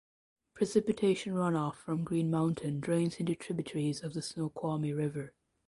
Precipitation runoff from Green Mountain drains into tributaries of the Snoqualmie River.